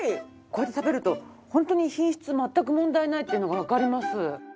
こうやって食べるとホントに品質全く問題ないっていうのがわかります。